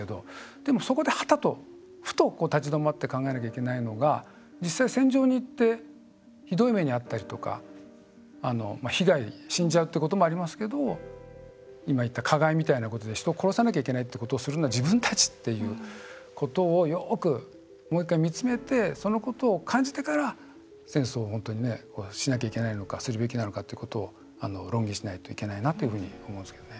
でもそこで、はたとふと立ち止まって考えなきゃいけないのが実際、戦場に行ってひどい目に遭ったりとか被害、死んじゃうっていうこともありますけど今、言った加害みたいなことで人を殺さなきゃいけないっていうことをするのは自分たちっていうことをよく、もう１回、見つめてそのことを感じてから戦争を本当にしなきゃいけないのかするべきなのかっていうことを論議しないといけないなっていうふうに思うんですけどね。